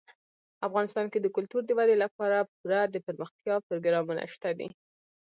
افغانستان کې د کلتور د ودې لپاره پوره دپرمختیا پروګرامونه شته دي.